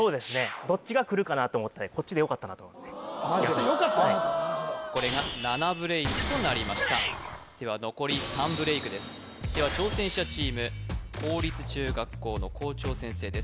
どっちがくるかなと思ってこっちでよかったなとこっちでよかったなとなるほどこれが７ブレイクとなりましたでは残り３ブレイクですでは挑戦者チーム公立中学校の校長先生です